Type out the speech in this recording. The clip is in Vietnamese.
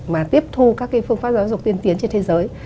mà tiếp thu các phương pháp giáo dục tiên tiến trên thế giới